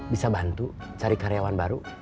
bisa bantu cari karyawan baru